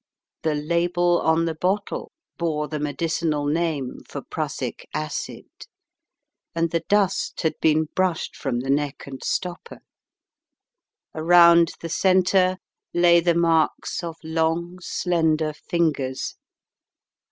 The label on the bottle bore the medicinal name for prussic acid, and the dust had been brushed from the neck and stopper. Around the centre lay the marks of long, slender fingers!